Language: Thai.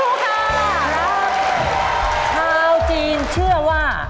จุฯโชคคทาวจีนเชื่อว่า